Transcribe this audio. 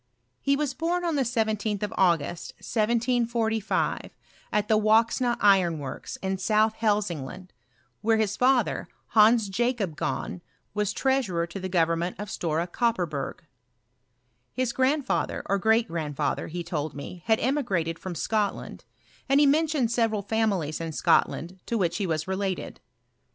He was born on the 17th of August, 1745, «t the Woxna iron works, in South Hdsingland, where his father, Hans Jacob Gahn, was treasurer to &e government of Stora Kopperberg. His grandfa ther, or great grandfather, he told me, had emigrated £rom Scotland ; and he mentioned several families In Scotland to which he was related.